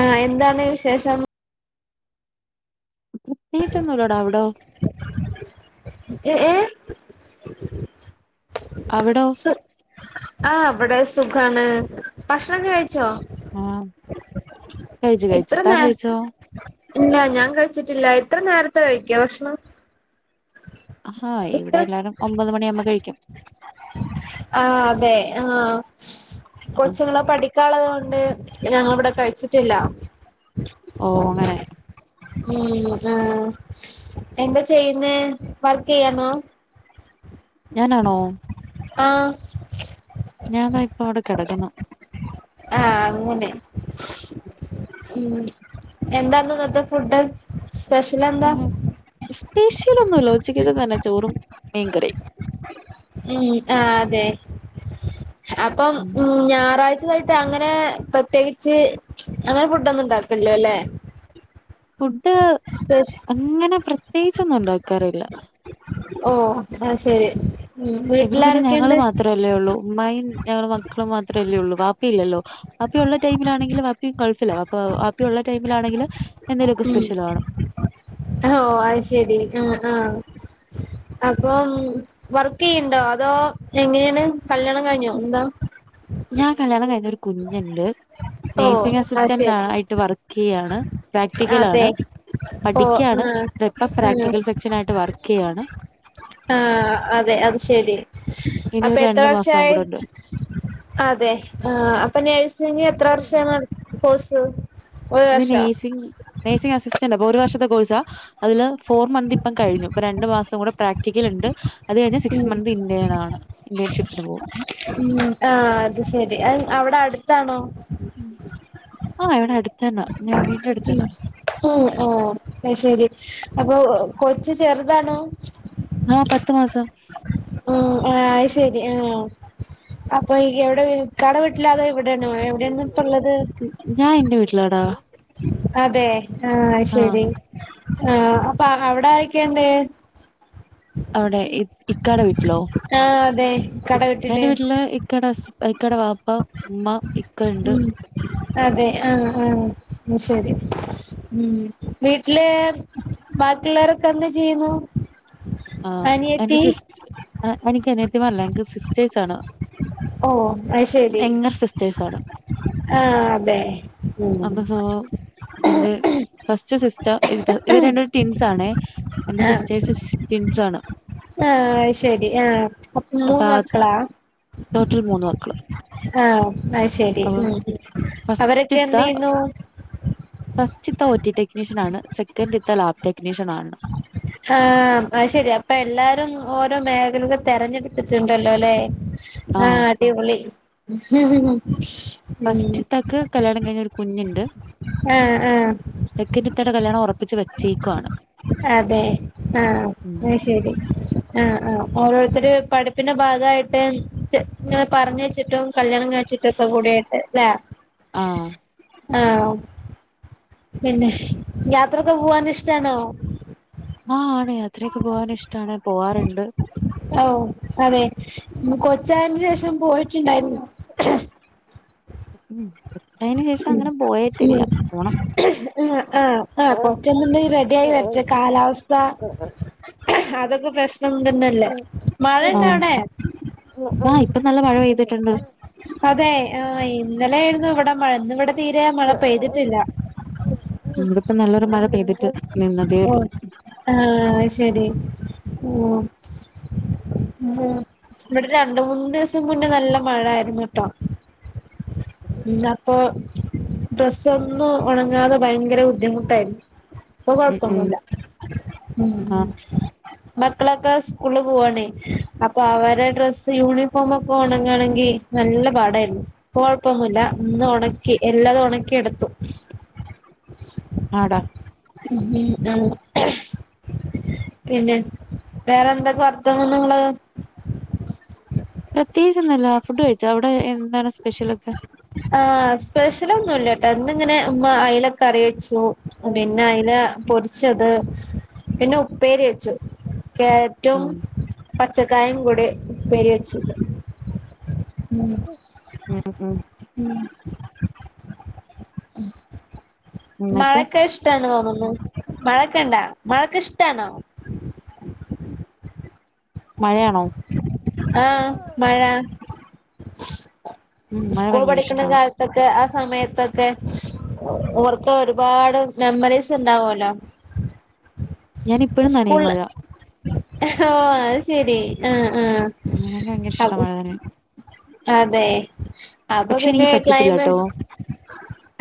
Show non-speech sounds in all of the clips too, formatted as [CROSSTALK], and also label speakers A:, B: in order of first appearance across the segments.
A: ആഹ് എന്താണ് വിശേഷം
B: പ്രത്യേകിച്ചൊന്നൂല്ലടാ അവ്ടോ
A: എ ഏ [INAUDIBLE]
B: അവടോ
A: സു ആഹ് ഇവടെ സുഖാണ് ഭക്ഷണൊക്കെ കഴിച്ചോ
B: ആഹ് കഴിച്ചു കഴിച്ചു
A: ഇത്ര
B: താൻ
A: നേ
B: കഴിച്ചോ
A: ഇല്ല ഞാൻ കഴിച്ചിട്ടില്ല ഇത്ര നേരത്തെ കഴിക്കൊ ഭക്ഷണം
B: അഹാ ഇവിടെ
A: ഇത്ര
B: എല്ലാരും ഒമ്പത് മണിയാ ബ കഴിക്കും
A: ആഹ് അതെ ആഹ്
B: ആഹ്
A: കൊച്ചുങ്ങളെ പഠിക്കാള്ളത് കൊണ്ട് ഞങ്ങൾ ഇവിടെ കഴച്ചിട്ടില്ല.
B: ഓ അങ്ങനെ.
A: ഉം, ആഹ്, എന്താ ചെയ്യുന്ന വർക്ക് ചെയ്യണോ
B: ഞാനാണോ?
A: ആഹ്
B: ഞാൻ താ ഇപ്പൊ അവിടെ കിടക്കുന്നു.
A: ആഹ് അങ്ങന. ഉം, എന്താന്ന് ഇന്നത്തെ ഫുഡ്? സ്പെഷ്യല
B: സ്പെഷ്യൽ ഒന്നുമല്ല, ഉച്ചക്ക് തന്നെ ചോറും മീൻകറിയും.
A: ഉം ആഹ് അതെ, അപ്പം ഉം ഞായറാഴ്ച യിട്ട് അങ്ങനെ പ്രത്യേകിച്ച് അങ്ങനെ ഫുഡ ഒന്നും ഉണ്ടാകല്ൽല്ല അല്ലേ?
B: ഫുഡ്
A: സ്പെഷ്
B: അങ്ങനെ പ്രത്യേകിച്ചൊന്നും ഉണ്ടാക്കാറില്ല.
A: ഓ അത് ശരിഉം വീട്ടിലാരൊക്കെയുണ്ട്?
B: ത്രല്ലേ ഉള്ളൂ ഉമ്മായും ഞങ്ങള് മക്കളും മാത്രല്ലേ ഉള്ളൂ വാപ്പി ഇല്ലല്ലോ? അപ്പിയഉള്ളടൈമിലാണെങ്കിലുംആപ്പിയും ഗൾഫില അപ്പആപ്പിയുള്ള ടൈമിലാണെങ്കില് എന്തേലു ഒക്കെ
A: ഉം
B: സ്പെഷ്യൽ വാണം
A: ഓ അത് ശരി ആഹ് ആഹ് അപ്പം വർക്ക് ചെയ്യണ്ടോ അതോ എങ്ങനെയാണ് കല്യാണം കഴിഞ്ഞോ എന്താ?
B: ഞാൻ കല്യാണം കഴിഞ്ഞ് ഒരു കുഞ്ഞുണ്ട്
A: ഓ അത്
B: നേഴ്സിംഗ്അസിസ്റ്റന്റ്
A: ശരി
B: ആയിട്ട് വർക്ക് ചെയ്യാണ് പ്രാക്ടിക്കൽ
A: അതെ
B: ആണ്
A: ഓ
B: പഠിക്കാണ്
A: ആഹ്
B: ഇപം
A: ആഹ്
B: പ്രാക്ടിക്കൽ സെക്ഷൻ ആയിട്ട് വർക്ക് ചെയ്യാണ്
A: ആഹ് അതെ അത് ശരി
B: ഇനി
A: അപ്പൊ
B: ഒരു
A: എത്ര
B: രണ്ടു മാസവും
A: വർഷായി?
B: കൂടെ ഉണ്ട്
A: അതെ ആഹ് അപ്പൊ നഴ്സ് ഇനിഎത്ര വർഷാണ് കോഴ്സ്? ഒരു
B: ഇത്
A: വർഷോ
B: നഴ്സിംഗ നേഴ്സിംഗ് അസിസ്റ്റന്റ് അപ്പ ഒരു വർഷത്തെ കോഴ്സാ? അതില് ഫോർ മന്ത് ഇപ്പം കഴിഞ്ഞു ഇപ്പ രണ്ടു മാസം കൂടെ പ്രാക്ടിക്കൽ ഇണ്ട് അത് കഴിഞ്ഞാൽ
A: ഉം
B: സിക്സ് മന്ത് ഇന്ത്യ നാണ് ഇന്ത്യേൺഷിപ്പിന് പോകും
A: ഉം ആഹ് അത് ശരി അവിടെ അടുത്താണോ?
B: ആഹ് ഇവടെ അടുത്തന്നാ
A: ഉം ഉം അത് ശരി അപ്പൊ കൊച്ച്ചെറുതാണോ?
B: ആഹ് പത്ത് മാസം
A: ഉം ആഹ് ശരി ആഹ് അപ്പൊ ഇയ്യ് എവിടെ ഇക്കാടെ വീട്ടിലാന്നോ ഇവടെ ആണോ എവിടെണ് ഇപ്പ ഉള്ളത്?
B: ഞാൻ എന്റെ വീട്ടിലാടാ
A: അതെ? ആഹ് അത്
B: ആ
A: ശരി. ആഹ് അപ്പൊ അവിട ആരൊക്കെണ്ട്?
B: അവിടെ ഇക്കാടെ വീട്ടിലോ
A: ആ അതെ ഇക്കാടെ
B: ഇക്കാന്റെ വീട്ടില് ഇക്കട ഹസ് ഇക്കട പാപ്പ ഉമ്മ ഇക്ക,,
A: ഉം അതെ ആഹ് ആഹ് ശരി ഉം വീട്ടില് ബാക്കിയുള്ളരൊക്കെ എന്താ ചെയ്യുന്നു?
B: ആഹ് എന്റെ
A: അനിയത്തി
B: സിസ് എനിക്ക് അനിയത്തിമാരില്ല എനിക്ക് സിസ്റ്റേഴ്സ് ആണ്
A: ഓ അത് ശരി
B: സിസ്റ്റേഴ്സാണ്.
A: ആഹ് അതെ
B: അപ്പ സ [UNINTELLIGIBLE] എന്റെ ഫസ്റ്റ് സിസ്റ്റർ ഇവര് രണ്ട പേരു ടിൻസ് ആണേ എന്റെ
A: ആഹ്
B: സിസ്റ്റേഴ്സ് ടിൻസാണ്
A: ആഹ് ശരി ആഹ് അപ്പ മൂന്ന്
B: അപ്പൊ ആ
A: മക്കളാ?
B: ടോട്ടൽ മൂന്ന് മക്കള്.
A: ആഹ് അത് ശരി
B: അപ്പം
A: ഉം അവരൊക്കെ എന്ത് ചെയ്യുന്നു?
B: ഫസ്റ്റ് ത്തെ ഒ ടി ടെക്‌നീഷ്യൻ ആണ് സെക്കൻഡ്ത്തത് ലാബ് ടെക്നീഷൻ ആണ്
A: ആഹ് അത് ശരി അപ്പൊ എല്ലാരും ഓരോ മേഖലകൾ തെരഞ്ഞെടുത്തിട്ടുണ്ടല്ലോ ലേ? ആഹ് അടിപൊളി ഉം
B: ഫസ്റ്റ് ഇതാക്ക് കല്യാണം കഴിഞ്ഞ ഒരു കുഞ്ഞുണ്ട്
A: ആഹ് ആഹ്
B: സെക്കന്റ്‌ത്തയുടെ കല്യാണം ഉറപ്പിച്ച് വെച്ചേക്കുവാണ്
A: അതെ
B: ഉം
A: ആഹ് ശെരി ആഹ് ആഹ് ഓരോര്ത്തര് പഠിപ്പിന്റെ ഭാഗായിട്ട് ചെ ഇങ്ങനെ പറ ഞ്ഞെച്ച് ച്ചിട്ടും കല്ല്യാണം കഴ്ച്ചിട്ട് ഒക്ക കൂടേയിട്ട് അല്ലേ
B: ആഹ്
A: ആഹ് പിന്നെ യാത്രൊക്കെ പോവാന് ഇഷ്ടാണോ?
B: ആഹ് ആണ് യാത്രയൊക്കെ പോവാന് ഇഷ്ടാണ് പോവാറ്ണ്ട്.
A: ഓഹ്, അതെ കൊച്ചായന് ശേഷം പോയിട്ടുണ്ടായിര്ന്നോ?
B: ഉം കൊച്ചായെന് ശേഷം അങ്ങനെ പോയേട്ടില്ല. പോണം
A: ആഹ് ആഹ് ആഹ് കൊച്ചൊന്ന്ണ് റെഡി ആയി വരട്ടെ കാലാവസ്ഥ അതൊക്കെ പ്രശ്നം മുണ്ടെന്നല്ലേ മഴ ഇണ്ടാവടെ?
B: ആഹ് ഇപ്പ നല്ല മഴ പെയ്തിട്ട്ണ്ട്.
A: അതെ ആഹ് ഇന്നലെ ആയിരുന്നു ഇവിടെ മഴ. ഇന്ന് ഇവിടെ തീരെ മഴ പെയ്തിട്ടില്ല.
B: ഇവിടെപ്പ നല്ലൊരു മഴ പെയ്തിട്ട് നിന്നതേ ഉള്ളൂ
A: ആഹ് അഹ് ശെരി ഉം മ് ഇവിടെ രണ്ട് മൂന്ന്ദിവസം മുന്നേ നല്ല മഴായിര്ന്നുട്ടോ. ന്താപ്പോ ഡ്രെസ്സൊന്നും ഒണങ്ങാതെ ഭയങ്കര ബുദ്ധിമുട്ടായിരുന്നു. ഇപ്പൊ
B: ഉം ഉം
A: കൊഴപ്പൊന്നൂല്ല.
B: ആ
A: മക്കളൊക്കെ സ്കൂളിൽ പോവാണേയ്, അപ്പൊ അവരെ ഡ്രസ്സ് യൂണിഫോമൊക്കെ ഒണങ്ങണെങ്കിൽ നല്ല പാടായിരുന്നു. ഇപ്പോ കൊഴപ്പൊന്നുല്ല. ഇന്ന് ഒണക്കി, എല്ലതു ഒണക്കി എട്
B: ആടാ
A: [UNINTELLIGIBLE] പിന്നെ വേറെന്തൊക്കെ വർത്താന ങ്ങള്?
B: പ്രത്യേകിച്ച് ഒന്ന്ല്ല. ഫുഡ് കഴിച്ചോ? അവിടെ എന്താണ് സ്പെഷ്യലൊക്കെ?
A: ആ സ്പെഷ്യൽ ഒന്നുല്ലട്ടോ ഇന്ന് ഇങ്ങനെ ഉമ്മ അയ്ല കറി വെച്ചു. പിന്നെ, അയില പൊരിച്ചത്. പിന്നെ, ഉപ്പേരി വെച്ചു. കേരറ്റും
B: ഉം
A: പച്ചക്കായേം കൂടി ഉപ്പേരി വെച്ച്. ഉം
B: ഉം
A: ഉം ഉം
B: എന്നിട്ട്
A: മഴക്കെ ഇഷ്ട്ടാണ് തോന്നുന്നു. മഴക്കെ ണ്ടാ മഴക്കെ ഇഷ്ടാണോ?
B: മഴയാണോ?
A: ആഹ് മഴ,
B: ഉം മഴ
A: സ്കൂൾ
B: ഭയങ്കര
A: പഠിക്കണ
B: ഇഷ്ടാണ്
A: കാല ത്തൊക്കെ ആ സമയത്തൊക്കെ ഓർത്തോ ഒരുപാട് മെമ്മറീസ് ഇണ്ടാവോലോ.
B: [INAUDIBLE] നനയും
A: സ്കൂള്,
B: മഴ
A: ഹ് ഓഹ് അഹ് ശെരി ആഹ് ആഹ്
B: [UNINTELLIGIBLE] ഇഷ്ട
A: അപ്പൊ
B: മഴനെ
A: അതെ, അപ്പൊ
B: പക്ഷെ
A: പിന്നെ
B: എനിക്ക് പറ്റത്തില്ല
A: ക്ലൈമ്
B: ട്ടോ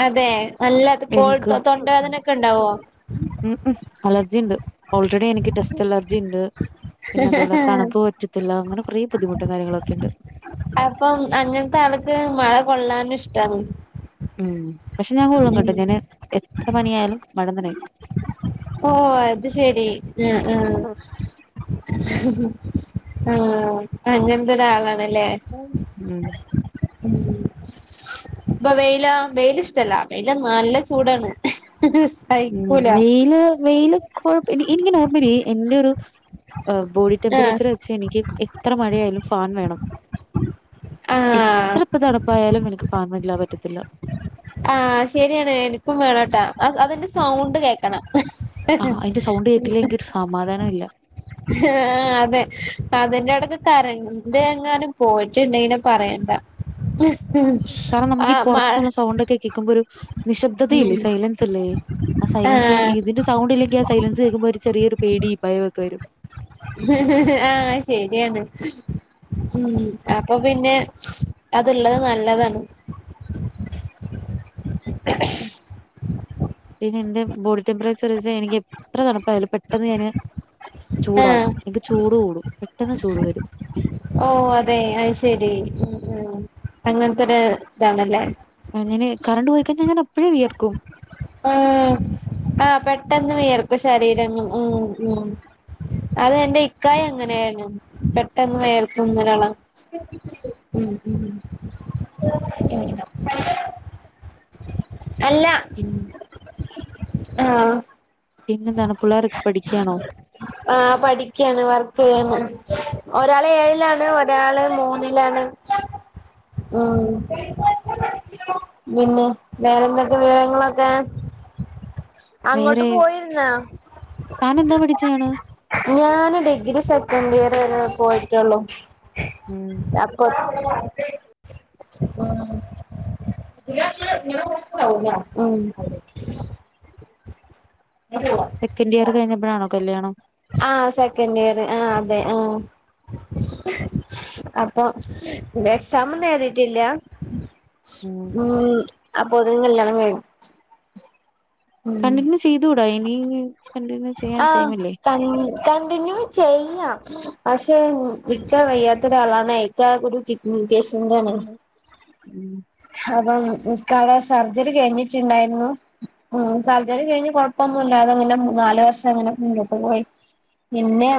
A: അതെ നല്ല അത്
B: എനിക്ക്
A: കോഴ്ത്തോ തൊണ്ടവാേദനൊക്കെണ്ടാവോ?
B: ഉം, ഉം അലർജി ഇണ്ട്. ഓൾറെഡി എനിക്ക് ടെസ്റ്റ് അലർജി ഇണ്ട്. പിന്നെ, അതുപോലെ തണുപ്പ് പറ്റത്തില്ല. അങ്ങനെ കൊറേ ബുദ്ധിമുട്ടും കാര്യങ്ങളൊക്കെ ഇണ്ട്.
A: അപ്പം അങ്ങൻത്തെ ആൾക്ക് മഴ കൊള്ളാനു ഇഷ്ടാണ്.
B: ഉം, പക്ഷെ ഞാൻ കൊള്ളും കേട്ടോ
A: ഉം
B: ഞാന് എത്ര പണിയായാലും മഴനനയും.
A: ഓഹ്, അത് ശെരി ആഹ് ആഹ് ആഹ് അങ്ങൻത്തെ ഒരാളാണല്ലേ.
B: ഉം
A: ഇപ്പ വെയിലോ, വെയില് ഇഷ് ടല്ല. വെയില് നല്ല ചൂടാണ്. ഇഹ് ഇഹ്
B: ഉം, വെയില് വെയില് കുഴപ്പല്ല്യ ഇങ്ങ നോർമലി എന്റെ ഒരു ബോഡി
A: ആഹ്
B: ടെംമ്പറേച്ചർ ക്ഷെ എനിക്ക് എത്ര മഴയാലും ഫാൻ വേണം
A: ആഹ്
B: ഇത്ര ഇപ്പ തണുപ്പായാലും എനിക്ക് ഫാനോന്നുല്ലാതെ പറ്റത്തില്ല
A: ആഹ്, ശരിയാണ് എനിക്കും വേണോട്ടാ അതിന്റെ സൗണ്ട് കേൾക്കണം
B: ആഹ് അയിന്റെ സൗണ്ട് കേട്ടില്ലെങ്കി ഒരു സമാധാനം ഇല്ല
A: ഹാ അതെ അതിന്റെടക്ക് കരണ്ടെങ്ങാനും പോയിട്ടുണ്ടെങ്കി പറയണ്ട ആ
B: പുറത്തുന്നുള്ള സൗണ്ടൊക്കെ കേൾക്കുമ്പോ ഒരു
A: ഉം
B: നിശ്ദതയില്ലേ സൈലൻസല്ലെ ആ സൈലൻസ്
A: ആഹ്
B: ഏറ്റ സൗണ്ടില്ലെങ്കിൽ ആ സൈലൻസ് കേൾക്കുമ്പോ ഒരു ചെറിയൊരു പേടി ഭയൊക്കെ വര്
A: ആ ശെരിയാണ്. ഉം, അപ്പൊ പിന്നെ അത്ള്ളത് നല്ലതാണ് [INAUDIBLE]
B: പിന്നെ എന്റെ ബോഡി ടെംമ്പറേച്ചർ വെച്ചാൽ എനിക്ക് എത്ര തണ്പ്പായാലോ പെട്ടെന്ന് ഞാന് ചൂടാവും
A: ആഹ്
B: എനിക്ക് ചൂട് കൂടും പെട്ടെന്ന് ചൂട് വരും
A: ഓ അതെ അത് ശരി ഉം ഉം അങ്ങനത്തെരു ഇതാണല്ലേ
B: ഞാന് കറണ്ട് പോയിക്കഴിഞ്ഞാൻ അപ്പോഴേ വിയർക്കും
A: ഉം ആഹ് പെട്ടെന്ന് വിയർപ്പ് ശരീരങ്ങൾ ഉം ഉം അത് എൻ്റെ ഇക്കായ എങ്ങനെയായിരുന്നു പെട്ടെന്ന് വ വെയർക്കുന്നൊരാള ഉം ഉം ഉം അല്ല
B: ഉം
A: ആഹ്
B: പിന്നെന്താണ് പിള്ളേർ ഒക്കെ പഠിക്കാണോ
A: ആ പഠിക്കയാണ് വർക്ക് ചെയ്യാണ് ഒരാള് ഏഴിലാണ് ഒരാള് മൂ ഒന്നിലാണ് ഉം പിന്നെ വേറെ എന്തൊക്കെ വിവരങ്ങളൊക്കെ അങ്ങോട്ട്
B: വേറെ
A: പോയിരുന്ന
B: താനെന്താ പഠിച്ചയാണ്
A: ഞാന് ഡിഗ്രി സെക്കൻഡ് ഇയർ വരെ പോയിട്ടുള്ളു
B: ഉം
A: [INAUDIBLE] ഉം ഉം [UNINTELLIGIBLE]
B: സെക്കൻ് ഇയർ കഴിഞ്ഞപ്പോഴാണോ കല്യാണം
A: ആ സെക്കൻഡ് ഇയർ ആ അതെ ആഹ് അപ്പൊ എക്സാമൊന്നും എഴുതിട്ടില്ല ഉം അപ്പോതു കല്യാണം കഴിഞ്ഞു ഉം
B: കണ്ടിന്യൂ ചെയ്ത് കൂടാ ഇനി കണ്ടിന്യൂ ചെയ്യാൻ
A: ആഹ്
B: ടൈമില്ലേ
A: ക കണ്ടിന്യൂ ചെയ്യാം പക്ഷെ ഇക്ക വയ്യാത്ത ഒരാളാണ് ഇക്ക ഒരു കിഡി മുകേഷ്ൻ്റാണ്
B: ഉം
A: അപ്പം ഇക്കാടെ സർജറി കഴിഞ്ഞിട്ടുണ്ടായിരുന്നു ഉം സർജര്ം കഴിഞ്ഞ് കൊഴപ്പൊന്നുമല്ലാതങ്ങനെ മൂന്ന് നാല് വർഷം അങ്ങനെ മുന്നോട്ട് പോയി പിന്നെ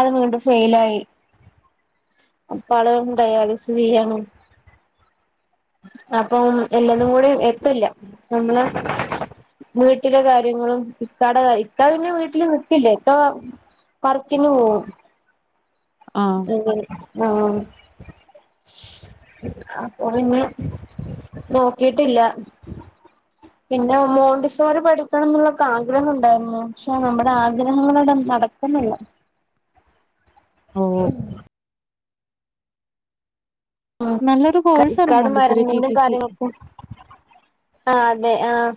A: അത് വീണ്ടും ഫെയിലായി അപ്പ ആള് ഡയാലിസ് ചെയ്യാന്ന് അപ്പം എല്ലതും കൂടി എത്ത്ല്ല നമ്മള് വീട്ടിലെ കാര്യങ്ങളും ഇക്കാടെ ഇക്ക പിന്നെ വീട്ടില് നിക്കില്ലേ ഇക്ക വർക്കിന് പോവും
B: ആഹ്
A: ഉം ആഹ് അപ്പൊ പിന്നെ നോക്കിട്ടില്ല പിന്നെ മോണ്ടിസോറിപഠിക്കണം എന്നുള്ളൊക്കെ ആഗ്രഹം ഉണ്ടായിരുന്നു പക്ഷെ നമ്മുടെ ആഗ്രഹങ്ങളൊന്നും അവിട നടക്കുന്നില്ല
B: ഉം
A: ഉം
B: നല്ലൊരു കോഴ്സാണ്
A: കൈക്കാട്
B: മോണ്ടിസോറി ടി
A: മരുന്നിണ്ടും
B: ടി സി
A: കാര്യങ്ങളൊക്കും ആഹ് അതെ ആഹ്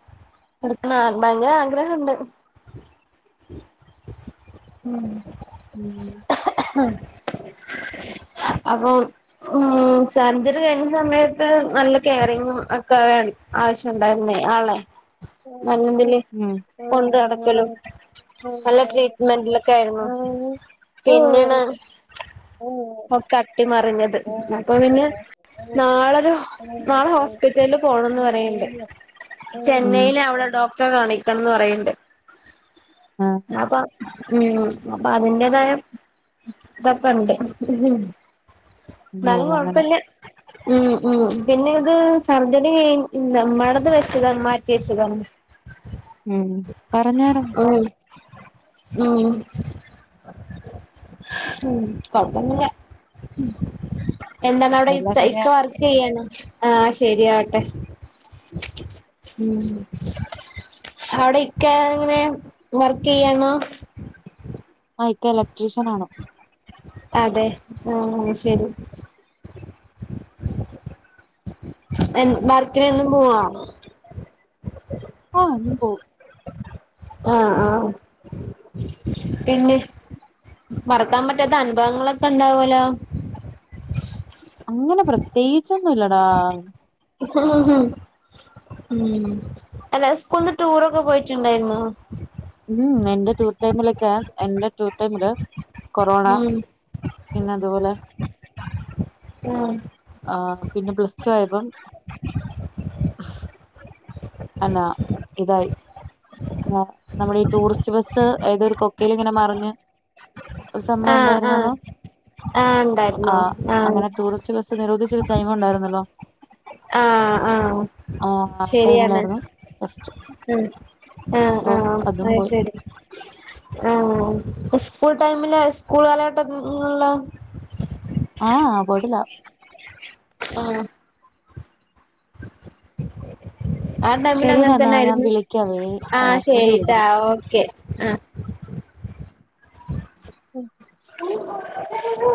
A: എടുക്ക ഭയങ്കര ആഗ്രഹുണ്ട് ഉം
B: ഉം
A: അപ്പോൾ സർജറി കഴിഞ്ഞ സമയത്ത് നല്ല കെയറിങ്ങും ഒക്കെ ആവശ്യംണ്ടായിരുന്നേ ആളെ [UNINTELLIGIBLE]
B: ഉം
A: കൊണ്ട് നടടക്കലോ നല്ല ട്രീറ്റ്മെന്റിലൊക്കെ ആയിരുന്നു പിന്നെയാണ് ഒക്കെ അട്ടിമറിഞ്ഞത് അപ്പൊ പിന്നെ നാളൊരു നാളെ ഹോസ്പിറ്റലില് പോണംന്ന് പറയണ്ട്
B: ഉം
A: ചെന്നൈയില അവിടെ ഡോക്ടറെ കാണിക്കണംന്ന് പറയണ്ട്
B: ആ
A: അപ്പൊ ഉ അപ്പൊ അതിന്റതായ കുഴപ്പം ഉണ്ട്
B: ഓ
A: എന്നാലും
B: അങ്ങനെ
A: കുഴപ്പല്ല ഉം ഉം പിന്നെ ഇത് സർജറി ഉണ്ട് മജ്ജ വെച്ചത മാറ്റി വെച്ചതാണ്
B: ഉം പറഞ്ഞാരുന്നു
A: ഉം ഉം ഉ കുഴപ്പല്ല എന്താണ് അവിടെ ഇ
B: എല്ലാം
A: ഇക്ക വർക്ക്
B: ശരിയാവും
A: വർക്ക്‌ ചെയ്യണോ ആ ശരിയാവട്ടെ ഉ അവിടെ ഇക്ക എങ്ങനെ വർക്ക് ചെയ്യണോ
B: ആ ഇക്ക ഇലക്ട്രീഷൻ ആണ്
A: അതെ ആ ശരി വർക്കിന് എന്നും പോവാ
B: ആ എന്നും പോവും
A: ആ ആ പിന്നെ മറക്കാൻ പറ്റാത്ത അനുഭവങ്ങളൊക്കെ ഉണ്ടാവൂലോ
B: അങ്ങനെ പ്രത്യേകിച്ചൊന്നുംല്ലടാ
A: ഉ അല്ല സ്കൂള്ന്ന് ടൂറൊക്കെ പോയിട്ടുണ്ടായിരുന്നോ
B: ഉം എന്റെ ടൂർ ടൈമിലൊക്കെ എന്റെ ടൂർ ടൈമില് കൊറോണ
A: ഉം
B: പിന്നെ അത് പോലെ
A: ഉം
B: ആ പിന്നെ പ്ലസ് ടു ആയപ്പം അല്ലാ ഇതായി ആ നമ്മുടെ ഈ ടൂറിസ്റ്റ് ബസ്സ് ഏത് ഒരു കൊക്കയ്ൽ ഇങ്ങനെ മറിഞ്ഞ് ഒരു സംഭവം
A: ആഹ് ആഹ്
B: ഉണ്ടായിരുന്നല്ലോ
A: ആഹ്
B: ആ
A: ഉണ്ടായിരുന്നു ആഹ്
B: അങ്ങനെ ടൂറിസ്റ്റ് ബസ് നിരോധിച്ച ഒരു ടൈം ഉണ്ടായിരുന്നല്ലോ
A: ആഹ് ആഹ്
B: അ ആ ടൈമിലായിരുന്നു ഫസ്റ്റ്
A: ഉ ആ
B: സോ
A: ആ
B: അതും
A: അത്
B: പോയി
A: ശരി ആ സ്കൂൾ ടൈമില് സ്കൂൾ കാലഘട്ടങ്ങളിലോ
B: ആ പോയിട്ടില്ല
A: ആ ആ
B: [INAUDIBLE]
A: ടൈമിൽ അങ്ങനെ
B: ശരിഡാ എന്നാ
A: തന്നെ
B: ഞാൻ
A: ആയിരുന്നു
B: വിളിക്കാവേ
A: ആ
B: ഹസ്ബന്റ്
A: ശരിട്ടാ
B: വിളിക്കുന്നു
A: ഓക്കെ ആ
B: ഉം